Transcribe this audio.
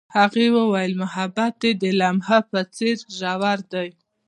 هغې وویل محبت یې د لمحه په څېر ژور دی.